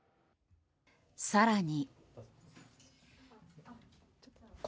更に。